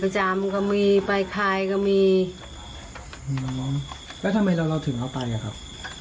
เจ้าเล่าถึงเอาไปอ่ะครับ